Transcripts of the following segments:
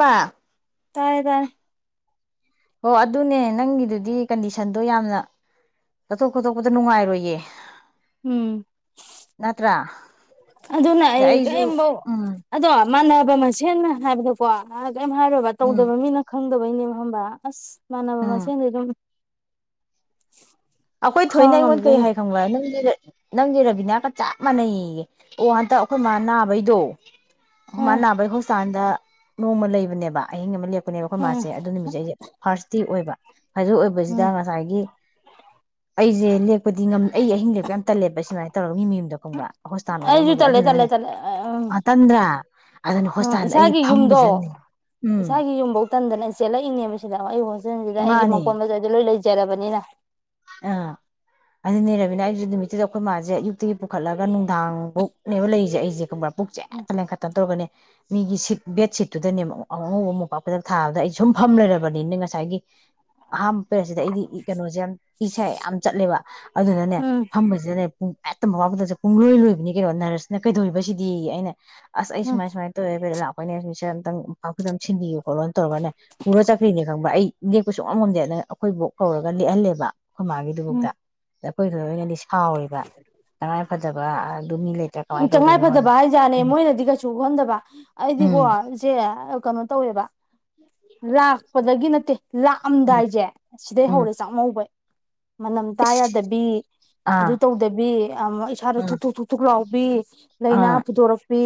ꯕ ꯇꯥꯔꯦ ꯇꯥꯔꯦ ꯑꯣ ꯑꯗꯨꯅꯦ ꯅꯪꯒꯤꯗꯨꯗꯤ ꯀꯟꯗꯤꯁꯟꯗꯣ ꯌꯥꯝꯅ ꯆꯠꯊꯣꯛ ꯈꯣꯠꯇꯣꯛꯄꯗ ꯅꯨꯡꯉꯥꯏꯔꯣꯏꯌꯦ ꯎꯝ ꯁꯤꯁ ꯅꯠꯇ꯭ꯔꯥ ꯑꯗꯨꯅ ꯑꯗ ꯑꯩ ꯑꯩꯁꯨ ꯀꯏꯝꯕꯧ ꯎꯝ ꯑꯗꯣ ꯃꯥꯟꯅꯕ ꯃꯁꯦꯅ ꯍꯥꯏꯕꯗꯀꯣ ꯀꯩꯝ ꯍꯥꯏꯔꯣꯏꯕ ꯎꯝ ꯇꯧꯗꯕ ꯃꯤꯅ ꯈꯪ ꯗꯕꯩꯅꯦꯕ ꯍꯝꯕ ꯑꯁ ꯃꯅꯅꯕ ꯎꯝ ꯃꯥꯁꯦꯟꯗ ꯑꯗꯨꯝ [unintelligible] ꯑꯈꯣꯏ ꯊꯣꯏꯅ ꯈꯪ ꯑꯩꯉꯣꯟ ꯀꯩ ꯉꯝꯗꯣꯏꯅꯤ ꯍꯥꯏ ꯈꯪꯕ ꯅꯪ ꯗꯅ ꯅꯪꯗꯤ ꯔꯕꯤꯅꯥꯒ ꯆꯞ ꯃꯥꯟꯅꯩ ꯌꯌꯦ ꯑꯣ ꯍꯟꯇꯛ ꯑꯈꯣꯏ ꯃꯥ ꯅꯥꯕꯩꯗꯣ ꯎꯝ ꯃꯥꯅꯕꯩ ꯍꯨꯁꯁꯥꯟꯗ ꯅꯣꯡꯃ ꯂꯩꯕꯅꯦꯕ ꯑꯍꯤꯡ ꯑꯃ ꯂꯦꯞ ꯅꯦꯕ ꯑꯩꯈꯣꯏ ꯎꯝ ꯃꯥꯁꯦ ꯑꯗꯨ ꯅꯨꯃꯤꯠꯖꯦ ꯐꯥꯔꯁ ꯗꯦ ꯑꯣꯏꯕ ꯍꯥꯏꯖ ꯑꯣꯏꯕꯁꯤꯗ ꯎꯝ ꯉꯁꯥꯏꯒꯤ ꯑꯩꯖꯦ ꯂꯦꯞ ꯄꯗꯤ ꯉꯝ ꯑꯩ ꯑꯍꯤꯡ ꯂꯦꯛꯄ ꯌꯥꯝ ꯇꯜꯂꯦꯄ ꯁꯃꯥꯏꯅ ꯇꯧꯔꯒ ꯃꯤ ꯃꯌꯨꯝꯗ ꯈꯪꯕ꯭ꯔꯥ ꯍꯣꯁꯇꯥꯟ ꯑꯣꯏꯔ ꯑꯃ ꯑꯩꯁꯨ ꯑꯣꯏꯒ꯭ꯔꯥ ꯇꯜꯂꯦ ꯇꯜꯂꯦ ꯑꯗꯨꯗꯅꯅꯦ ꯇꯜꯂꯦ ꯎꯝ ꯉ ꯇꯟꯗ꯭ꯔꯥ ꯑꯗꯨꯅ ꯎꯝ ꯍꯣꯁꯄꯤꯇꯥꯜꯗ ꯑꯩ ꯏꯁꯥꯒꯤ ꯌꯨꯝꯗꯣ ꯐꯝꯁꯅꯦ ꯎꯝ ꯏꯁꯥꯒꯤ ꯌꯨꯝꯐꯧ ꯇꯟꯗꯅ ꯆꯦꯜꯂꯛꯏꯅꯦꯕ ꯑꯩ ꯁꯤꯗ ꯑꯩꯒꯤ ꯃꯥꯅꯦ ꯃꯄꯣꯟ ꯃꯆꯩ ꯗ ꯂꯣꯏ ꯂꯩ ꯇꯦꯔꯕꯅꯤꯅ ꯑꯥ ꯑꯗꯨꯅꯦꯔꯥꯕꯤ ꯑꯩꯁꯨ ꯅꯨꯃꯤꯠꯇꯨꯗ ꯑꯩꯈꯣꯏ ꯃꯥꯖꯦ ꯑꯌꯨꯛꯇꯒꯤ ꯄꯨꯈꯠꯂꯒ ꯅꯨꯡꯗꯥꯡꯕꯧꯅꯦꯕ ꯂꯩꯔꯤꯁꯦ ꯑꯩꯁꯦ ꯀꯕꯔ ꯄꯨꯛꯖꯦ ꯎꯝ ꯑꯦꯛꯇ ꯂꯦꯡ ꯈꯠꯇꯅ ꯇꯧꯔꯒꯅꯦ ꯃꯤꯒꯤ ꯁꯤꯠ ꯕꯦꯠꯁꯤꯠꯇꯨꯗꯅꯦ ꯑꯉꯧꯕ ꯃꯣꯄꯥꯛ ꯐꯤꯗꯛ ꯊꯥꯕꯗ ꯑꯩ ꯁꯨꯝ ꯐꯝ ꯂꯩꯔꯕꯅꯤꯅ ꯉꯁꯥꯏꯒꯤ ꯑꯍꯥꯝꯕ ꯄꯦꯔꯁꯤꯗ ꯑꯩꯗꯤ ꯏ ꯀꯩꯅꯣꯁꯦ ꯌꯥꯝ ꯏꯩꯁꯦ ꯌꯥꯝ ꯆꯠꯂꯦꯕ ꯑꯗꯨꯗꯨꯅꯅꯦ ꯎꯝ ꯐꯝꯕꯁꯤꯗꯅꯦ ꯄꯨꯡꯇ ꯍꯦꯇ ꯃꯣꯄꯥꯛꯐꯤꯗꯛꯁꯦ ꯄꯨꯡꯂꯣꯏ ꯂꯣꯏꯕꯅꯤ ꯀꯩꯅꯣ ꯅꯔꯁꯅ ꯀꯩꯗꯧꯔꯤꯕꯁꯤꯗꯤ ꯑꯩꯅ ꯑꯁ ꯑꯩ ꯁꯨꯃꯥꯏ ꯁꯨꯃꯥꯏ ꯇꯧꯋꯦ ꯄꯤꯔꯠ ꯂꯥꯛ ꯅ ꯁꯤ ꯖꯦ ꯃꯣꯝꯄꯥꯛꯐꯤꯗꯛ ꯑꯃꯇꯪ ꯁꯤꯟꯕꯤꯌꯣ꯫ ꯈꯣꯠꯂꯣꯅ ꯇꯧꯔꯒꯅꯦ ꯄꯨꯔ ꯆꯈꯔꯤꯁꯤ ꯈꯪꯕꯔꯥ ꯑꯩ ꯂꯦꯛꯄ ꯁꯨꯡꯉꯝ ꯉꯝꯗꯦ ꯑꯗꯅ ꯑꯩꯈꯣꯏ ꯕꯣꯛ ꯀꯧꯔꯒ ꯂꯦꯛꯍꯜꯂꯦꯕ꯫ ꯈꯣꯏ ꯃꯥꯒꯤ ꯗꯨꯕꯨꯛꯇ ꯑꯩꯈꯣꯏ ꯈꯍꯣꯏꯅ ꯂꯤꯁꯤꯡ ꯑꯗꯨ ꯃꯤ ꯂꯩꯇ꯭ꯔꯥ ꯎ ꯀꯃꯥꯏꯅ ꯇꯉꯥꯏ ꯇꯧꯗꯣꯏꯅꯣꯅ ꯐꯗꯕ ꯍꯥꯏꯖꯥꯅꯦ ꯎꯝ ꯃꯣꯏꯅꯗꯤ ꯀꯩꯁꯨ ꯈꯟꯗꯕ ꯑꯩꯗꯤꯀꯣ ꯎꯝ ꯏꯆꯦ ꯀꯅꯣ ꯇꯧꯋꯦꯕ ꯂꯥꯛꯄꯗꯒꯤ ꯅꯠꯇꯦ ꯎꯝ ꯂꯥꯛꯑꯝꯗꯥꯏꯖꯦ ꯁꯤꯗꯩ ꯎꯝ ꯍꯧꯔꯦ ꯆꯥꯛꯃꯧꯕꯩ ꯃꯅꯝ ꯇꯥꯌꯗꯕꯤ ꯑꯥ ꯑꯗꯨ ꯇꯧꯗꯕꯤ ꯑꯃ ꯏꯁꯥꯗ ꯑꯥ ꯊꯨꯛ ꯊꯨꯛ ꯊꯨꯛ ꯊꯨꯛ ꯂꯥꯎ ꯕꯤ ꯂꯩꯅꯥ ꯑꯥ ꯐꯨꯗꯣꯔꯛꯄꯤ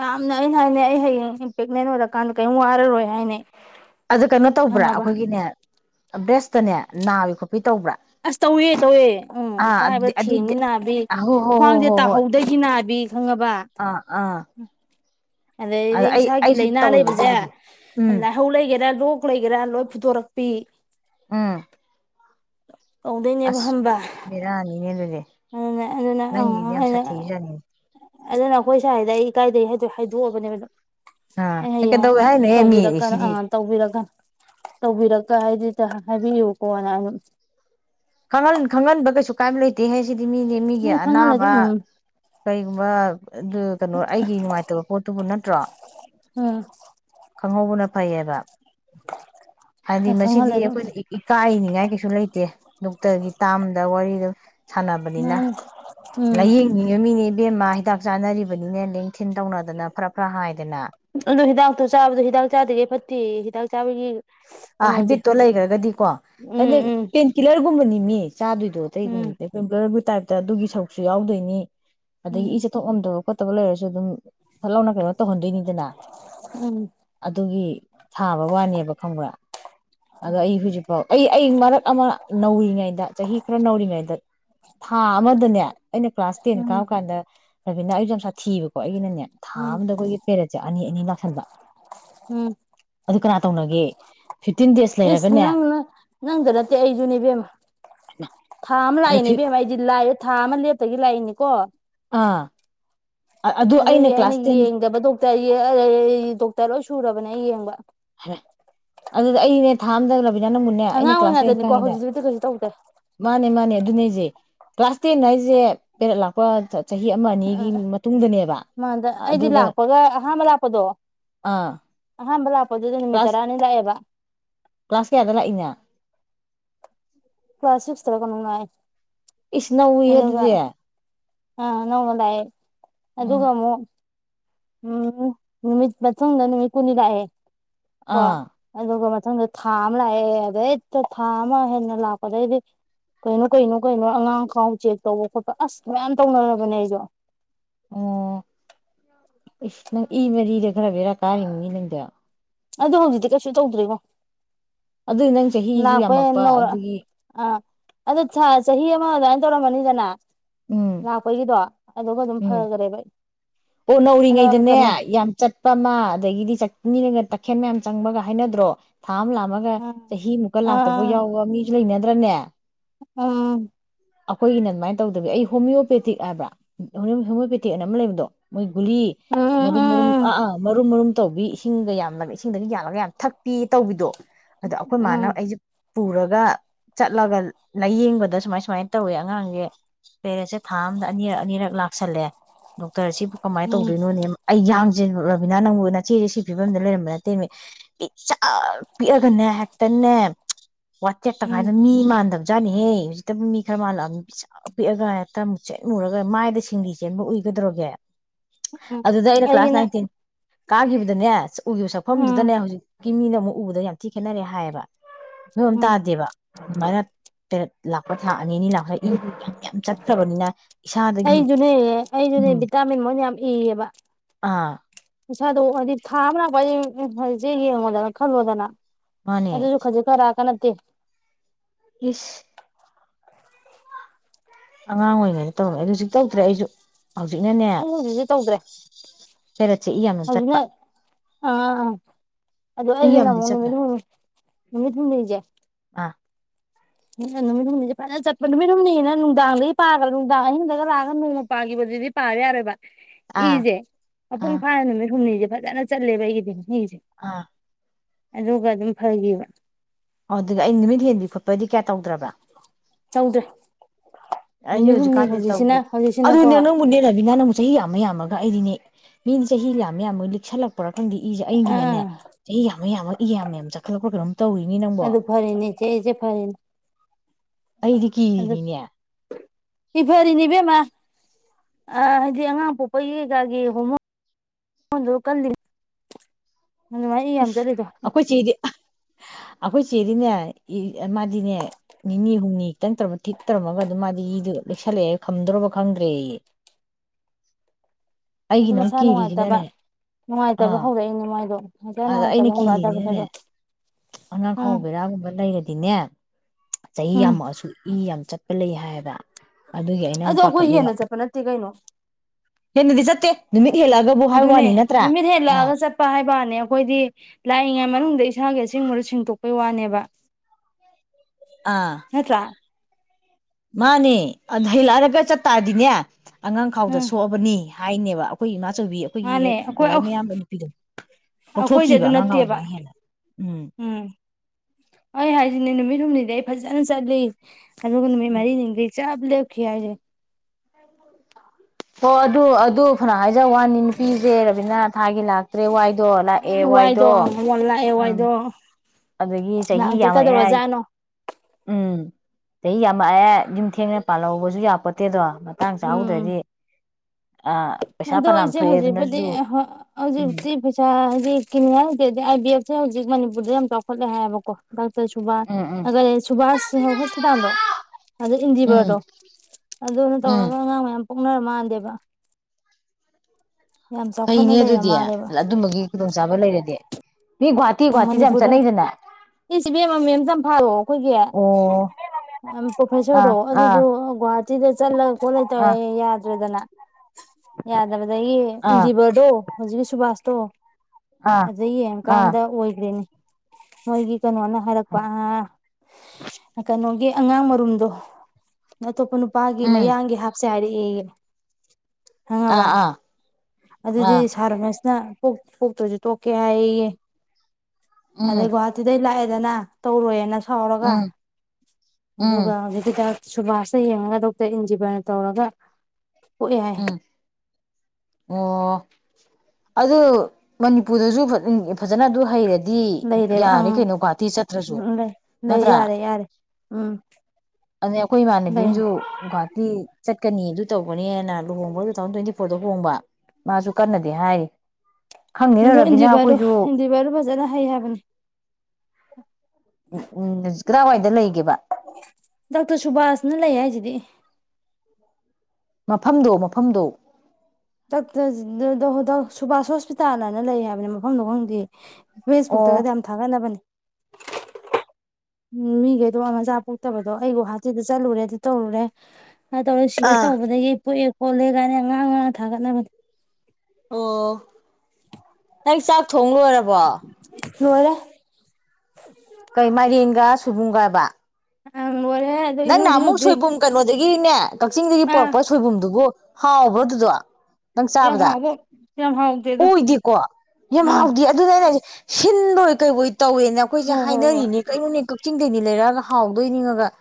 ꯌꯥꯝꯅ ꯑꯩꯅ ꯍꯥꯏꯅꯦ ꯑꯩ ꯍꯌꯦꯡ ꯄꯦꯛꯅꯦꯟ ꯑꯣꯏꯔꯀꯥꯟꯗ ꯀꯔꯤꯝ ꯋꯥꯔꯔꯣꯏ ꯍꯥꯏꯅꯦ ꯑꯗꯨ ꯀꯩꯅꯣ ꯇꯧꯕ꯭ꯔꯥ ꯑꯈꯣꯏꯒꯤꯅꯦ ꯑ ꯕ꯭ꯔꯦꯁ ꯇꯅꯦ ꯅꯥꯕꯤ ꯈꯣꯠ ꯑꯁ ꯇꯧꯋꯦ ꯇꯧꯋꯦ ꯎꯝ ꯑꯥ ꯄꯥꯏꯕ ꯑꯗꯨꯗꯤ ꯑꯗꯨꯗꯤ ꯊꯦꯡꯉꯦ ꯅꯥꯕꯤ ꯍꯣ ꯍꯣ ꯍꯣ ꯈ꯭ꯋꯥꯡꯁꯦ ꯍꯣ ꯍꯣꯏ ꯇꯥꯍꯧꯗꯩꯒꯤ ꯅꯥꯕꯤ ꯈꯪꯉꯕ ꯑꯥ ꯑꯥ ꯑꯗꯩꯗꯤ ꯑꯗ ꯑꯩ ꯏꯁꯥꯒꯤ ꯑꯩꯁꯨ ꯂꯩꯅꯥ ꯇꯧꯋꯦꯕ ꯂꯩꯕꯁꯦ ꯑꯗꯨꯕꯨꯗꯤ ꯎꯝ ꯂꯥꯏꯍꯧ ꯂꯩꯒꯦꯔꯥ ꯂꯣꯛ ꯂꯩꯒꯦꯔꯥ ꯂꯣꯏ ꯐꯨꯗꯣꯔꯛꯄꯤ ꯎꯝ ꯇꯧꯗꯣꯏꯅꯦꯕ ꯑꯁ ꯍꯝꯕ ꯕꯦꯔꯥꯅꯤꯅꯦ ꯑꯗꯨꯗꯤ ꯑꯗꯨꯅ ꯑꯗꯨꯅ ꯑꯃ ꯅꯪꯒꯤꯗꯤ ꯌꯥꯝ ꯑꯩꯅ ꯁꯥꯊꯤꯖꯥꯠꯅꯤꯅꯦ ꯑꯗꯨꯅ ꯑꯩꯈꯣꯏ ꯁꯥꯏꯗ ꯑꯩ ꯏꯀꯥꯏꯗꯩ ꯍꯥꯏꯗꯣꯛꯑꯦ ꯍꯥꯏꯗꯣꯛꯑꯕꯅꯦꯕ ꯑꯩꯅ ꯍꯥ ꯑꯦ ꯀꯩꯊꯧꯋꯦ ꯍꯥꯏꯅꯣꯍꯦ ꯃꯤ ꯏ ꯁꯤꯗꯤ ꯇꯧꯕꯤꯔꯒ ꯍꯥꯏꯗꯤꯇꯥ ꯍꯥ ꯍꯥꯏꯕꯤꯌꯨ ꯀꯣꯟꯅ ꯑꯃꯨꯛ ꯈꯪꯍꯟ ꯈꯪꯍꯟꯕ ꯀꯩꯁꯨ ꯀꯥꯏꯕ ꯂꯩꯇꯦ ꯍꯦ ꯁꯤꯗꯤ ꯃꯤꯒꯤ ꯃꯤꯒꯤ ꯅꯪ ꯈꯪꯍꯜꯂꯦ ꯑꯅꯥꯕ ꯑꯗꯨꯝ ꯎꯝ ꯀꯩꯒꯨꯝꯕ ꯑꯗꯨ ꯀꯩꯅꯣ ꯑꯩꯒꯤ ꯅꯨꯡꯉꯥꯏꯇꯕ ꯄꯣꯠꯇꯨꯕꯨ ꯅꯠ ꯇ꯭ꯔꯥ ꯎꯝ ꯐꯩꯌꯦꯕ ꯍꯥꯏꯗꯤ ꯃꯁꯤꯗꯤ ꯈꯪꯍꯜꯂꯦ ꯑꯗꯨꯝ ꯑꯩꯈꯣꯏꯅ ꯏ ꯏꯀꯥꯏ ꯅꯤꯡꯉꯥꯏ ꯀꯩꯁꯨ ꯂꯩꯇꯦ ꯗꯣꯛꯇꯔꯒꯤ ꯇꯥꯝꯗ ꯋꯥꯔꯤꯗ ꯁꯥꯟꯅꯕꯅꯤꯅ ꯃꯥꯅꯤ ꯎꯝ ꯂꯥꯏꯌꯦꯡꯅꯤꯡꯉꯝꯃꯤꯅꯦ ꯏꯕꯦꯝ ꯏꯕꯦꯝꯃꯥ ꯍꯤꯗꯥꯛ ꯆꯥꯅꯔꯤꯕꯅꯤꯅꯦ ꯂꯦꯡ ꯑꯗꯣ ꯍꯤꯗꯥꯛꯇꯣ ꯆꯥꯕꯗꯣ ꯍꯤꯗꯥꯛ ꯆꯥꯗ꯭ꯔꯤꯒꯩ ꯐꯠꯇꯦꯌꯦ ꯍꯤꯗꯥꯛ ꯆꯥꯕꯒꯤ ꯑꯥ ꯀꯩꯅꯣꯁꯦ ꯍꯥꯏꯕꯤꯠꯇꯣ ꯂꯩꯈ꯭ꯔꯒꯗꯤꯀꯣ ꯎꯝ ꯀꯩꯝꯅꯠ ꯎꯝ ꯄꯦꯟꯀꯤꯂꯔꯒꯨꯝꯕꯅꯤꯃꯤ ꯆꯥꯗꯣꯏꯗꯣ ꯑꯇꯩꯒꯨꯝꯕ ꯎꯝ ꯑꯗꯩ ꯄꯦꯟꯀꯤꯂꯔꯕꯨ ꯇꯥꯏꯞꯇ ꯑꯗꯨꯒꯤ ꯁꯔꯛꯁꯨ ꯌꯥꯎꯗꯣꯏꯅꯤ ꯑꯗꯒꯤ ꯏ ꯆꯠꯊꯣꯛ ꯉꯝꯗꯕ ꯈꯣꯠꯇꯕ ꯂꯩꯔꯁꯨ ꯑꯗꯨꯝ ꯊꯠ ꯂꯥꯎꯅ ꯀꯩꯅꯣ ꯇꯧꯍꯟꯗꯣꯏꯅꯤꯗꯅ ꯎꯝ ꯑꯗꯨꯒꯤ ꯊꯥꯕ ꯋꯥꯅꯦꯕ ꯈꯪꯕ꯭ꯔꯥ ꯑꯗꯣ ꯑꯩ ꯍꯧꯖꯤꯛꯐꯥꯎ ꯑꯩ ꯑꯩ ꯃꯔꯛ ꯑꯃ ꯎꯝ ꯅꯧꯔꯤꯉꯩꯗ ꯆꯍꯤ ꯈꯔ ꯅꯧꯔꯤꯉꯩꯗ ꯊꯥ ꯑꯃꯗꯅꯦ ꯑꯩꯅ ꯀ꯭ꯂꯥꯁ ꯇꯦꯟ ꯀꯥꯕ ꯎꯝ ꯀꯥꯟꯗ ꯔꯕꯤꯅꯥꯒꯤꯖꯨ ꯌꯥꯝ ꯁꯥꯠꯊꯤꯕꯀꯣ ꯑꯩꯒꯤꯅꯅꯦ ꯊꯥ ꯎꯝ ꯑꯃꯗ ꯑꯩꯈꯣꯏꯒꯤ ꯄꯦꯔꯦꯠꯁꯦ ꯑꯅꯤ ꯑꯅꯤ ꯂꯥꯛꯁꯟꯕ ꯎꯝ ꯑꯗꯨ ꯀꯅꯥ ꯇꯧꯅꯒꯦ꯫ ꯐꯤꯐꯇꯤꯟ ꯗꯦꯖ ꯏꯁ ꯂꯩꯔꯒꯅꯦ ꯅꯪꯅ ꯅꯪꯗ ꯅꯠꯇꯦ ꯑꯩꯖꯨꯅꯦ ꯏꯕꯦꯝꯃ ꯊꯥ ꯑꯃ ꯑꯗꯨ ꯂꯥꯛꯏꯅꯦ ꯐꯤ ꯏꯕꯦꯝꯃꯥ ꯑꯩꯗꯤ ꯂꯥꯛꯑꯦ ꯊꯥ ꯑꯃ ꯂꯦꯞꯇꯒꯤ ꯂꯥꯛ ꯑꯩꯅꯦ ꯀꯣ ꯑꯥ ꯑꯗꯨ ꯑꯗꯨꯗꯤ ꯑꯩꯅ ꯀ꯭ꯂꯥꯁ ꯇꯦꯟ ꯌꯦꯡꯗꯕ ꯗꯣꯛꯇꯔ [unintelligible] ꯗꯣꯛꯇꯔ ꯂꯣꯏ ꯁꯨꯔꯕꯅꯦ ꯑꯩ ꯌꯦꯡꯕ꯫ ꯑꯗꯨꯗ ꯑꯩꯅꯦ ꯊꯥ ꯑꯝꯗ ꯔ [unintelligible] ꯅꯡꯕꯨꯅꯦ ꯑꯉꯥꯡ ꯑꯩꯅ ꯀ꯭ꯂꯥꯁ ꯇꯦꯟ ꯑꯣꯏꯔꯤꯉꯩꯗꯅꯤꯀꯣ ꯀꯥꯔꯤꯉꯤꯗ ꯍꯧꯖꯤꯛꯇꯤ ꯀꯩꯁꯨ ꯇꯧꯗꯦ ꯃꯥꯅꯦ ꯃꯥꯅꯦ ꯑꯗꯨꯅꯦ ꯍꯥꯏꯖꯦ꯫ ꯀ꯭ꯂꯥꯁ ꯇꯦꯟ ꯍꯥꯏꯖꯦ ꯄꯦꯔꯠ ꯂꯥꯛꯄ ꯆꯍꯤ ꯑꯃ ꯑꯅꯤꯒꯤ ꯃꯇꯨꯡꯗꯅꯦꯕ ꯃꯥꯗ ꯑꯩꯗꯤ ꯑꯗꯨꯒ ꯂꯥꯛꯄꯒ ꯑꯍꯥꯟꯕ ꯂꯥꯛꯄꯗꯣ ꯑꯥ ꯑꯍꯥꯟꯕ ꯂꯥꯛ ꯑꯗꯨꯗ ꯅꯨꯃꯤꯠ ꯀ꯭ꯂꯥꯁ ꯇꯔꯥꯅꯤ ꯂꯥꯛꯑꯦꯕ꯫ ꯀ꯭ꯂꯥꯁ ꯀꯌꯥꯗ ꯂꯥꯛꯏ [unintelligible] ꯀ꯭ꯂꯥꯁ ꯁꯤꯛꯁꯇꯔ ꯀꯩꯅꯣꯝ ꯂꯥꯛꯑꯦ꯫ ꯏꯁ ꯅꯧꯢꯑꯦ ꯑꯗꯨꯒ ꯑꯗꯨꯗꯤ꯫ ꯑꯥ ꯅꯧꯅ ꯂꯥꯛꯑꯦ ꯑꯗꯨꯒ ꯎꯝ ꯑꯃꯨꯛ ꯎꯝ ꯅꯨꯃꯤꯠ ꯃꯇꯨꯡꯗ ꯅꯨꯃꯤꯠ ꯀꯨꯟꯅꯤ ꯂꯥꯛꯑꯦ꯫ ꯀꯣ ꯑꯥ ꯑꯗꯨꯒ ꯃꯊꯪꯗ ꯊꯥ ꯑꯃ ꯂꯥꯛꯑꯦ ꯑꯗꯩ ꯍꯦꯛꯇ ꯊꯥ ꯑꯃ ꯍꯦꯟꯅ ꯂꯥꯛꯄꯗꯩꯗꯤ ꯀꯩꯅꯣ ꯀꯩꯅꯣ ꯀꯩꯅꯣ ꯑꯉꯥꯡꯈꯥꯎ ꯆꯦꯛ ꯇꯧꯕ ꯈꯣꯠꯄ ꯑꯁ ꯃꯌꯥꯝ ꯇꯧꯅꯔꯕꯅꯦ ꯑꯩꯖꯨ꯫ ꯑꯣ ꯏꯁ ꯅꯪ ꯏꯃꯔꯤꯗ ꯈꯔ ꯕꯦꯔꯥ ꯀꯥꯔꯤꯃꯤꯅꯤ ꯅꯪꯗꯣ꯫ ꯑꯗꯣ ꯍꯧꯖꯤꯛꯇꯤ ꯀꯩꯁꯨ ꯇꯧꯗ꯭ꯔꯦꯉꯣ꯫ ꯑꯗꯨꯏ ꯅꯪ ꯆꯍꯤꯁꯨ ꯌꯥꯝꯃꯛꯄ ꯑꯗꯨꯒꯤ ꯑꯗꯨ ꯊꯥ ꯆꯍꯤ ꯑꯃ ꯑꯗꯨꯃꯥꯏ ꯇꯧꯔꯝꯃꯅꯤꯗꯅ ꯎꯝ ꯂꯥꯛꯄꯒꯤꯗꯣ ꯑꯗꯨꯒ ꯑꯗꯨꯝ ꯎꯝ ꯐꯒꯔꯦꯕ ꯑꯩ꯫ ꯑꯣ ꯅꯧꯔꯤꯉꯩꯗꯅꯦ ꯌꯥꯝ ꯆꯠꯄ ꯑꯃ ꯑꯗꯒꯤꯗꯤ ꯃꯌꯥꯝ ꯆꯪꯕꯒ ꯍꯥꯏꯅꯗ꯭ꯔꯣ꯫ ꯊꯥ ꯑꯃ ꯂꯥꯛꯃꯒ ꯎꯝ ꯆꯍꯤꯃꯨꯛꯀꯥ ꯂꯥꯛꯇꯕ ꯑꯥ ꯌꯥꯎꯕ ꯃꯤ ꯂꯩꯅꯗ꯭ꯔꯅꯦ꯫ ꯎꯝ꯫ ꯑꯩꯈꯣꯏꯒꯤꯅ ꯑꯗꯨꯃꯥꯏ ꯇꯧꯗꯕꯤ ꯑꯩ ꯍꯣꯃꯤꯌꯣꯄꯦꯇꯤꯛ ꯍꯥꯏꯕ꯭ꯔꯥ ꯍꯣꯃꯤꯌꯣꯄꯦꯇꯤꯛꯅ ꯑꯃ ꯂꯩꯕꯗꯣ꯫ [unintelligible] ꯒꯨꯂꯤ ꯎꯝ ꯃꯔꯨꯝ ꯃꯔꯨꯝ ꯎꯝ ꯑꯥ ꯑꯥ ꯃꯔꯨꯝ ꯃꯔꯨꯝ ꯇꯧꯕꯤ ꯏꯁꯤꯡꯒ ꯌꯥꯝꯅ ꯏꯁꯤꯡꯗꯒ ꯌꯥꯜꯂꯒ ꯌꯥꯝ ꯊꯛꯄꯤ ꯇꯧꯕꯤꯗꯣ ꯑꯗꯣ ꯑꯩꯈꯣꯏ ꯃꯥꯅꯕ ꯎꯝ ꯑꯩꯖꯦ ꯄꯨꯔꯒ ꯆꯠꯂꯒ ꯂꯥꯏꯌꯦꯡꯕꯗ ꯁꯨꯃꯥꯏ ꯁꯨꯃꯥꯏꯅ ꯇꯧꯋꯦ ꯑꯉꯥꯡꯖꯦ ꯄꯦꯔꯦꯠꯁꯦ ꯊꯥ ꯑꯝꯗ ꯑꯅꯤꯔꯛ ꯑꯅꯤꯔꯛ ꯂꯥꯛꯁꯜꯂꯦꯇ ꯀꯃꯥꯏꯅ ꯎꯝ ꯇꯧꯗꯣꯏꯅꯣꯅꯦ ꯑꯩꯌꯥꯡ ꯔꯣꯕꯤꯅꯥ ꯅꯪꯕꯨ ꯅꯆꯦꯁꯦ ꯁꯤ ꯐꯤꯕꯝꯗ ꯂꯩꯔꯝꯕ ꯅꯠꯇꯦꯃꯦ ꯄ ꯁꯛ ꯄꯤꯛꯑꯒꯅꯦ ꯍꯦꯛꯇꯅꯦ ꯋꯥ ꯆꯦꯠꯠꯇ ꯎꯝ ꯉꯥꯏꯗꯅ ꯃꯤ ꯃꯥꯟꯗꯗꯝꯅꯦ ꯑꯣꯖꯥꯅꯤꯍꯦ ꯍꯧꯖꯤꯛꯇꯕꯨ ꯃꯤ ꯈꯔ ꯃꯥꯜꯂꯛꯑꯕꯅꯤ ꯄꯤꯛꯁꯛ ꯄꯤꯛꯑꯒ ꯍꯦꯛꯇ ꯃꯨꯁꯤꯟ ꯃꯨꯔꯒ ꯃꯥꯏꯗ ꯁꯤꯡꯂꯤ ꯆꯦꯟꯕ ꯎꯏ ꯒꯗ꯭ꯔꯣꯒꯦ ꯎꯝ ꯑꯗꯨꯗ ꯑꯩꯅ ꯀ꯭ꯂꯥꯁ ꯑꯩꯒꯤꯅ ꯅꯥꯏꯟꯇꯤꯟ ꯀꯥꯒꯤꯕꯗꯅꯦꯦ ꯎꯒꯤꯕ ꯎꯝ ꯁꯛꯐꯝꯗꯨꯗꯅꯦ ꯍꯧꯖꯤꯛ ꯒꯤ ꯃꯤꯅ ꯑꯃꯨꯛ ꯎꯕꯗ ꯌꯥꯝ ꯊꯤ ꯈꯦꯠꯅꯔꯦ ꯍꯥꯏꯌꯦꯕ ꯅꯣꯏꯔꯣꯝ ꯎꯝ ꯇꯥꯗꯦꯕ ꯑꯗꯨꯃꯥꯏꯅ ꯄꯦꯔꯠ ꯂꯥꯛꯄ ꯊꯥ ꯑꯅꯤ ꯑꯅꯤ ꯂꯥꯛꯈ꯭ꯔꯦ ꯏ ꯌꯥꯝ ꯌꯥꯝ ꯆꯠꯈ꯭ꯔꯕꯅꯤꯅ ꯏꯁꯥꯗꯒꯤ ꯑꯩꯖꯨꯅꯦ ꯑꯩꯖꯨꯅꯦ ꯎꯝ ꯚꯤꯇꯥꯃꯤꯟ ꯃꯣꯏꯅ ꯌꯥꯝ ꯏꯌꯦꯕ ꯑꯥ ꯏꯁꯥꯗꯣ ꯍꯥꯏꯗꯤ ꯊꯥ ꯑꯃ ꯂꯥꯛꯄ ꯐꯖꯦ ꯌꯦꯡꯉꯣꯗꯅ ꯈꯜꯍꯣꯗꯅ ꯃꯥꯅꯦ ꯑꯗꯨꯁꯨ ꯈꯖꯤ ꯈꯔ ꯀ ꯅꯠ ꯀꯦ ꯏꯁ ꯑꯉꯥꯡ ꯑꯣꯏꯔꯤꯉꯩꯗ ꯇꯧꯔꯦ ꯑꯗꯨ ꯍꯧꯖꯤꯛ ꯇꯧꯗ꯭ꯔꯦ ꯑꯩꯖꯨ ꯎꯖꯤ [unintelligible] ꯇꯧꯗ꯭ꯔꯦ ꯄꯦꯔꯠꯁꯦ ꯏꯌꯥꯝꯅ ꯆꯠꯄ ꯍꯧꯖꯤꯛꯅ ꯑꯥ ꯑꯗꯨ ꯏ ꯑꯩꯒꯤꯅ ꯌꯥꯝꯗꯤ ꯑꯃꯨꯛ ꯆꯠꯄ꯭ꯔꯥ ꯅꯨꯃꯤꯠ ꯍꯨꯝꯅꯤ ꯅꯨꯃꯤꯠ ꯍꯨꯝꯅꯤꯖꯦ ꯑꯥ ꯅꯨꯃꯤꯠ ꯍꯨꯝꯅꯤꯖꯦ ꯐꯖꯅ ꯆꯠꯄ ꯅꯨꯃꯤꯠ ꯍꯨꯝꯅꯤꯅ ꯅꯨꯡꯗꯥꯡꯗꯒꯤ ꯄꯥꯈ꯭ꯔꯥ ꯅꯨꯡꯗꯥꯡ ꯑꯍꯤꯡꯗꯒ ꯂꯥꯛꯑꯒ ꯅꯣꯡꯃ ꯄꯥꯒꯤꯕꯗꯨꯗꯤ ꯄꯥꯕ ꯌꯥꯔꯣꯏꯕ ꯑꯥ ꯏꯖꯦ ꯃꯄꯨꯡ ꯑꯥ ꯐꯥꯅ ꯅꯨꯃꯤꯠ ꯍꯨꯝꯅꯤꯁꯦ ꯐꯖꯅ ꯆꯜꯂꯦꯕ ꯑꯩꯒꯤꯗꯤ ꯑꯥ [unintelligible] ꯑꯗꯨꯒ ꯑꯗꯨꯝ ꯐꯈꯤꯕ ꯑꯣ ꯑꯗꯨꯗ ꯑꯩꯩꯅ ꯅꯨꯃꯤꯠ ꯍꯦꯟꯕꯤ ꯈꯣꯠꯄꯗꯤ ꯀꯌꯥ ꯇꯧꯗ꯭ꯔꯕꯔ ꯇꯧꯗ꯭ꯔꯦ ꯑꯩꯖꯦ ꯅꯨꯃꯤꯠ ꯍꯨꯝꯅꯤ ꯍꯧꯖꯤꯛꯀꯥꯟꯗꯤ ꯍꯧꯖꯤꯛꯁꯤꯅ ꯇꯧꯗꯦ ꯍꯧꯖꯤꯛꯁꯤꯅꯀꯣ ꯑꯗꯨꯅꯦ ꯅꯪꯕꯨꯨꯅꯦ ꯔꯕꯤꯅꯥ ꯅꯪꯨꯛ ꯆꯍꯤ ꯌꯥꯝ ꯃꯌꯥꯝ ꯑꯃꯒ ꯑꯩꯗꯤꯅꯦ ꯃꯤꯅ ꯆꯍꯤ ꯌꯥꯝ ꯃꯌꯥꯝꯕꯣꯏ ꯂꯤꯛꯁꯜꯂꯛꯄ ꯈꯪꯗꯦ ꯏꯁꯦ ꯑꯩꯒꯤꯅꯅꯦ ꯑꯥ ꯆꯍꯤ ꯌꯥꯝꯃ ꯌꯥꯝꯃ ꯏ ꯌꯥꯝ ꯆꯈꯠꯂꯄꯣꯒ꯭ꯔꯝ ꯑꯗꯨ ꯐꯔꯅꯤꯆꯦꯁꯦ ꯐꯔꯅꯤ ꯑꯩꯗꯤ ꯀꯤꯅꯤꯅꯦ ꯁꯤ ꯐꯔꯤꯅꯤ ꯏꯕꯦꯝꯃ ꯍꯥꯏꯗꯤ ꯑꯉꯥꯡ ꯄꯣꯛꯄꯒꯤ ꯀꯩꯀꯥꯒꯤ ꯍꯣꯃꯣꯟꯗꯣ ꯀꯟꯂꯤ ꯑꯗꯨꯃꯥꯏ ꯏ ꯌꯥꯝ ꯆꯠꯂꯤꯗꯣ ꯑꯩꯈꯣꯏ ꯆꯦꯗꯤ ꯑꯩꯈꯣꯏ ꯆꯦꯗꯤꯅꯦ ꯃꯥꯗꯤꯅꯦ ꯅꯤꯅꯤ ꯍꯨꯝꯅꯤ ꯈꯤꯇꯪ ꯇꯧ ꯊꯤꯛ ꯇꯧꯔꯝꯃꯒ ꯑꯗꯨꯝ ꯃꯥꯗꯤ ꯏꯗꯨꯣ ꯂꯦꯛꯁꯜꯂꯛꯑꯦ ꯈꯝꯗ꯭ꯔꯕ ꯈꯪꯗ꯭ꯔꯦ ꯑꯩ ꯑꯗꯨ ꯃꯁꯥ ꯅꯨꯡꯉꯥꯏꯇꯕ ꯅꯨꯡꯉꯥꯏꯇꯕ ꯑꯥ ꯍꯧꯔꯛꯏꯅꯦ ꯃꯣꯏꯗꯣ ꯑꯗ ꯑꯩꯅ ꯀꯤꯔꯤꯅꯤꯅꯅꯦ ꯑꯉꯥꯡꯈꯥꯎ ꯎꯝ ꯕꯦꯔꯥꯒꯨꯝꯕ ꯂꯩꯔꯗꯤꯅꯦ ꯆꯍꯤ ꯎꯝ ꯌꯥꯝꯃꯛꯑꯁꯨ ꯏ ꯌꯥꯝ ꯆꯠ [unintelligible] ꯂꯩ ꯍꯥꯏꯕ ꯑꯗꯨꯒꯤ ꯑꯩꯅ ꯑꯗꯣ ꯑꯃꯨꯛ ꯑꯩꯈꯣꯏ ꯄꯥꯈꯠꯂꯤꯕ ꯍꯦꯟꯅ ꯆꯠꯄ ꯅꯠꯇꯦ ꯀꯩꯅꯣ ꯍꯦꯟꯅꯗꯤ ꯆꯠꯇꯦ ꯅꯨꯃꯤꯠ ꯍꯦꯜꯂꯛꯑꯒꯕꯨ ꯍꯥꯏꯕ ꯋꯥꯅꯤ ꯅꯠꯇ꯭ꯔꯥ ꯑꯥ ꯅꯤ ꯑꯩꯈꯣꯏꯗꯤ ꯂꯥꯛꯏꯉꯩ ꯃꯅꯨꯡꯗ ꯏꯁꯥꯒꯤ ꯑꯁꯦꯡꯕꯗꯨ ꯁꯦꯪꯇꯣꯛꯄꯩ ꯋꯥꯅꯦꯕ ꯑꯥ ꯅꯥꯇꯔꯥ ꯃꯥꯅꯦ ꯑ ꯍꯩꯂꯛꯑꯒ ꯆꯠꯇꯥꯔꯗꯤꯅꯦ ꯑꯉꯥꯡ ꯈꯥꯎꯗ ꯎꯝ ꯁꯣꯛꯑꯕꯅꯤ ꯍꯥꯏꯅꯦꯕ ꯑꯩꯈꯣꯏ ꯏꯃꯥ ꯃꯥꯅꯦ ꯑꯩꯈꯣꯏ ꯑꯩꯈꯣꯏꯗꯤ ꯂꯧꯊꯣꯛꯈꯤꯕ ꯑꯗꯨ ꯑꯉꯥꯡ ꯈꯥꯎ ꯅꯠꯇꯦꯕ ꯑꯗꯨꯃꯥꯏꯅ ꯍꯦꯟꯅ ꯎꯝ ꯑꯩ ꯍꯥꯏꯁꯤꯅꯤ ꯅꯨꯃꯤꯠ ꯍꯨꯝꯅꯤꯗꯩꯩ ꯑꯩ ꯐꯖꯅ ꯆꯠꯂꯤ ꯑꯗꯨꯒ ꯅꯨꯃꯤꯠ ꯎꯝ ꯃꯔꯤꯅꯤ ꯗꯤ ꯆꯥꯕ ꯂꯦꯕꯈꯤ ꯍꯥꯏꯁꯤꯅꯤ ꯍꯣ ꯑꯗꯨ ꯑꯗꯨ ꯐꯅ ꯍꯥꯏ ꯍꯖ ꯋꯥꯅꯤ ꯅꯨꯄꯤꯁꯦ ꯔꯕꯤꯅꯥ ꯊꯥꯒꯤ ꯂꯥꯛꯇ꯭ꯔꯦ ꯋꯥꯏꯗꯣ ꯂꯥꯛꯑꯦ ꯋꯥꯏꯗꯣ ꯋꯥꯜ ꯂꯥꯛꯑꯦ ꯎꯝ ꯋꯥꯏꯗꯣ ꯑꯗꯒꯤ ꯆꯍꯤ ꯂꯥꯛꯇ꯭ꯔꯦ ꯌꯥꯝꯃꯛꯑꯦ ꯀꯩꯗꯧꯔꯖꯥꯠꯅꯣ ꯎꯝ ꯆꯍꯤ ꯌꯥꯝꯃꯛꯑꯦ ꯌꯨꯝꯊꯦꯡꯅ ꯄꯥꯜꯍꯧꯕꯁꯨ ꯌꯥꯄꯣꯠꯇꯦꯗꯣ ꯃꯇꯥꯡ ꯎꯝ ꯆꯥꯍꯧꯗ꯭ꯔꯗꯤ ꯑ ꯄꯩꯁꯥ ꯑꯗꯣ ꯐꯅꯌꯥꯝ ꯑꯩꯁꯦ ꯊꯣꯛꯑꯦ ꯍꯧꯖꯤꯛꯄꯨꯗꯤ ꯑꯗꯨꯅꯁꯨ ꯎꯝ ꯍꯧꯖꯤꯛꯇꯤ ꯄꯩꯁꯥ ꯍꯥꯏꯗꯤ ꯀꯤꯅꯤꯡꯉꯥꯏ ꯂꯩꯇ꯭ꯔꯗꯤ ꯑꯥꯏ ꯕꯤ ꯑꯦꯐꯁꯦ ꯍꯧꯖꯤꯛ ꯍꯧꯖꯤꯛ ꯃꯅꯤꯄꯨꯔꯗ ꯌꯥꯝ ꯆꯥꯎꯈꯠꯂꯦ ꯍꯥꯏꯌꯦꯕꯀꯣ ꯗꯣꯛꯇꯔ ꯎꯝ ꯎꯝ ꯁꯨꯕꯥꯁ ꯀ ꯁꯨꯕꯥꯁ ꯍꯣꯁꯄꯤꯇꯥꯜꯗꯣ ꯑꯗ ꯎꯝ ꯏꯟꯗꯤꯕꯔꯗꯣ ꯑꯗꯨꯅ ꯎꯝ ꯇꯧꯔꯒ ꯑꯉꯥꯡ ꯃꯌꯥꯝ ꯄꯣꯛꯅꯔ ꯃꯥꯟꯂꯦꯕ ꯐꯩꯅꯦ ꯑꯗꯨꯗꯤ ꯃꯥꯜꯂꯦꯕ ꯑꯗꯨꯝꯕꯒꯤ ꯈꯨꯗꯣꯡꯆꯥꯕ ꯂꯩꯔꯗꯤ ꯃꯤ ꯒꯋ꯭ꯥ ꯎꯝ ꯃꯅꯤꯄꯨꯔꯗ ꯏꯁꯤꯕꯦꯝ ꯃꯦꯝꯇꯝꯐꯥꯔꯣ ꯑꯩꯈꯣꯏꯒꯤ ꯑꯣ ꯑꯥ ꯄ꯭ꯔꯣꯐꯦꯁꯔꯗꯣ ꯑꯥ ꯑꯗꯨꯗꯣ ꯒꯨꯍꯥꯇꯤꯗ ꯆꯠꯂꯒ ꯈꯣꯠꯂꯇꯧꯔꯦ ꯑꯥ ꯌꯥꯗ꯭ꯔꯦ ꯗꯔ꯭ꯦꯗꯅ ꯌꯥꯗꯕꯗꯒꯤ ꯑꯥ ꯏꯟꯗꯤꯕꯔꯗꯣ ꯍꯧꯖꯤꯛꯀꯤ ꯁꯨꯕꯥꯁ ꯇꯣ ꯑꯥ ꯑꯗ ꯑꯥ ꯌꯦꯡꯀꯥꯟꯗ ꯑꯣꯏꯗ꯭ꯔꯦꯅꯦ ꯃꯣꯏꯒꯤ ꯀꯩꯅꯣꯅ ꯍꯥꯏꯔꯛꯄ ꯑ ꯀꯩꯅꯣꯒꯤ ꯑꯉꯥꯡ ꯃꯔꯨꯝꯗꯣ ꯑꯇꯣꯞꯄ ꯅꯨ ꯅꯨꯄꯥꯒꯤ ꯎꯝ ꯃꯌꯥꯡꯒꯤ ꯍꯛꯁ ꯆꯔꯤ ꯑꯥ ꯈꯪꯉꯕ ꯑꯥ ꯑꯗꯨꯗꯤ ꯑꯥ ꯁꯥꯔꯝꯃꯦꯁꯤ ꯐ ꯐꯛꯇꯖꯤ ꯇꯣ ꯀꯦ ꯍꯥꯏ ꯎꯝ ꯑꯗ ꯣ ꯋꯥꯇꯗ ꯏꯂ ꯗꯅ ꯇꯧꯔꯣꯏꯅ ꯊꯥꯎꯔꯒ ꯎꯝ ꯑꯗꯨꯒꯒ ꯎꯝ ꯀ ꯇ ꯁꯨꯕꯥꯁꯇ ꯌꯦꯡꯉꯒ ꯗꯣꯛꯇꯔ ꯏꯟꯖꯤꯕꯔꯅ ꯇꯧꯔꯒ ꯄꯣꯛꯑꯦ ꯍꯥꯏ ꯎꯝ ꯑꯣ ꯑꯗꯨ ꯃꯅꯤꯄꯨꯔꯗꯁꯨ ꯐꯖꯅ ꯑꯗꯨ ꯍꯩꯔꯗꯤ ꯗꯤ ꯂꯩꯔꯦꯕ ꯌꯥꯔꯦ ꯑꯪ ꯀꯩꯅꯣ ꯒꯨꯍꯥꯇꯤ ꯆꯠꯇ꯭ꯔꯁꯨ ꯂꯩ ꯂꯩ ꯅꯠꯇ꯭ꯔꯥ ꯌꯥꯔꯦ ꯌꯥꯔꯦ ꯎꯝ ꯑꯗꯩ ꯑꯩꯈꯣꯏ ꯏꯃꯥꯟꯅꯕꯤ ꯂꯩ ꯑꯃꯁꯁꯨ ꯒꯨꯍꯥꯇꯤ ꯆꯠꯀꯅꯤ ꯑꯗꯨ ꯇꯧꯒꯅꯤ ꯍꯥꯏꯅ ꯂꯨꯍꯣꯡꯕ ꯇꯨ ꯊꯥꯎꯖꯟ ꯇ꯭ꯋꯦꯟꯇꯤ ꯐꯣꯔꯗ ꯍꯣꯡꯕ ꯃꯥꯁꯨ ꯀꯟꯅꯗꯤ ꯍꯥꯏꯔꯤ ꯈꯪꯗꯦꯅ ꯅꯪꯗꯣ ꯔꯕꯤꯅꯥ ꯏꯟꯗꯤꯚꯔ ꯑꯩꯈꯣꯏꯁꯨ ꯏꯟꯗꯤꯚꯔ ꯐꯖꯅ ꯍꯩ ꯍꯥꯏꯕꯅꯦ ꯎꯝ ꯀꯗꯥꯏꯋꯥꯏꯗ ꯂꯩꯒꯦꯕ ꯗꯥꯛꯇꯔ ꯁꯨꯕꯥꯁꯅ ꯂꯩ ꯍꯥꯏꯁꯤꯗꯤ ꯃꯐꯝꯗꯣ ꯃꯐꯝꯗꯣ ꯁꯨꯕꯥꯁ ꯍꯣꯁꯄꯤꯇꯥꯜ ꯍꯥꯏꯅ ꯂꯩ ꯍꯥꯏꯕꯅꯦ ꯃꯐꯝꯗꯣ ꯈꯪꯗꯦ ꯑꯣ ꯐꯦꯁꯕꯨꯛꯇꯒꯗꯤ ꯌꯥꯝ ꯊꯥꯒꯠꯅꯕꯅꯦ ꯎꯝ ꯃꯤꯈꯩꯗꯣ ꯑꯃ ꯃꯆꯥ ꯄꯣꯛꯇꯕꯗꯣ ꯑꯩ ꯒꯨꯍꯥꯇꯤꯗ ꯆꯠꯂꯨꯔꯦ ꯑꯗꯨ ꯇꯧꯔꯨꯔꯦ ꯍꯥ ꯇꯧ ꯁ ꯁꯤꯂꯦꯇ ꯑꯥ ꯍꯕ ꯅꯦ ꯀꯣꯛꯑꯦ ꯈꯣꯠꯂꯦ ꯀꯥꯏꯅ ꯑꯉꯥꯡ ꯉꯥꯡ ꯊꯥꯒꯠꯅꯕꯅꯦ ꯑꯣ ꯊꯦꯡꯁ ꯊꯣꯡꯂꯣꯏꯔꯕꯣ ꯅꯣꯏꯔꯦ ꯀꯩ ꯃꯔꯡꯒ ꯁꯨꯡꯒꯕ ꯑ ꯃꯣꯔꯦ ꯑꯗꯨ ꯏꯔꯗꯤ ꯏꯔꯗ꯭ꯔꯤ ꯑꯗꯒꯤꯅꯦ ꯀꯛꯆꯤꯡꯗꯒꯤ ꯄꯣꯔꯛꯄ ꯁꯣꯏꯕꯨꯝꯗꯨꯕꯨ ꯍꯥꯎꯕꯗꯨꯗꯨ ꯅꯪ ꯌꯥꯝ ꯆꯥꯕꯗ ꯍꯥꯎꯕ ꯌꯥꯝ ꯍꯥꯎꯇꯦ ꯑꯗꯣ ꯑꯣꯏꯗꯦꯀꯣ ꯌꯥꯝ ꯎꯝ ꯍꯥꯎꯗꯦ ꯑꯗꯨꯗ ꯂꯩꯁꯦ ꯁꯤꯤꯟꯗꯣꯏ ꯀꯩ ꯑꯣꯏꯣꯏ ꯇꯧꯋꯦꯅ ꯑꯩꯈꯣꯏꯁꯦ ꯍꯣꯏ ꯍꯣꯏ ꯍꯣꯏ ꯍꯥꯏꯅꯔꯤꯅꯦ ꯀꯩꯅꯣꯅꯦ ꯀꯛꯆꯤꯡ ꯂꯩꯅꯤ ꯂꯩꯔꯛꯑꯒ ꯍꯥꯎꯗꯣꯏꯅꯤꯉꯒ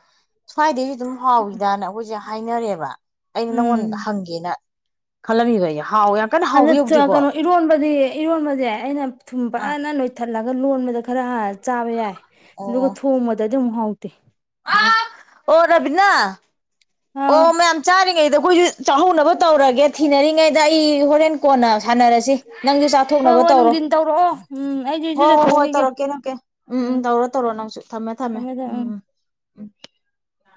ꯁꯥꯏꯗꯦꯕꯤ ꯑꯗꯨꯝ ꯍꯥꯎꯏꯗꯅ ꯑꯩꯈꯣꯏꯁꯦ ꯍꯥꯏꯅꯔꯦꯕ ꯑꯩꯅ ꯅꯪꯉꯣꯟ ꯎꯝ ꯍꯪꯒꯦꯅ ꯈꯂꯃꯤꯕꯏ ꯑꯗ ꯀꯩꯅꯣ ꯏꯔꯣꯟꯕꯗꯤ ꯏꯔꯣꯟꯕꯁꯦ ꯑꯩꯅ ꯊꯨꯝ ꯑꯥ ꯐꯅ ꯂꯣꯏꯊꯠ ꯍꯜꯂꯒ ꯂꯣꯟꯕꯗ ꯈꯔ ꯆꯥꯕ ꯌꯥꯏ ꯑꯗꯨꯒ ꯑꯣ ꯊꯣꯡꯃꯗ ꯑꯗꯨ ꯍꯥꯎ ꯃꯇ ꯑꯣ ꯔꯕꯤꯅꯥ ꯑꯥ ꯑꯣ ꯃ ꯑ ꯑꯩꯈꯣꯏꯁꯨ ꯆꯥꯛꯍꯅꯕ ꯇꯧꯔꯒꯦ ꯊꯤꯅꯔꯤꯉꯩꯗ ꯑꯩ ꯍꯣꯔꯦꯟ ꯀꯣꯟꯅ ꯁꯥꯟꯅꯔꯁꯤ ꯅꯪꯁꯨ ꯍꯣꯏ ꯆꯥꯊꯣꯛꯅꯕ ꯍꯣꯏ ꯇꯧꯔꯣ ꯅꯨꯡꯊꯤꯟ ꯇꯧꯔꯛꯑꯣ ꯎꯝ ꯑꯩꯁꯨ ꯍꯣ ꯍꯣꯏ ꯍꯣꯏ ꯏꯔꯨꯖꯊꯣꯛꯎꯈꯤꯒꯦ ꯇꯧꯔꯛꯀꯦ ꯅꯪꯀꯦ ꯎꯝ ꯎꯝ ꯇꯧꯔꯣ ꯇꯧꯔꯣ ꯅꯪꯁꯨ ꯊꯝꯃꯦ ꯊꯝꯃꯦ ꯎꯝ ꯎꯝ ꯑ